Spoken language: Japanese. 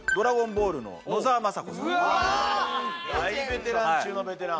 大ベテラン中のベテラン